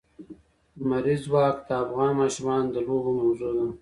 لمریز ځواک د افغان ماشومانو د لوبو موضوع ده.